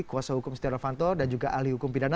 kuasa hukum setia novanto dan juga ahli hukum pidana